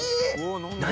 何？